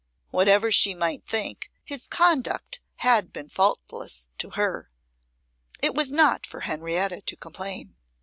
Whatever she might think, his conduct had been faultless to her. It was not for Henrietta to complain.